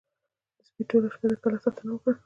د سپي ټوله شپه د کلا ساتنه وکړه.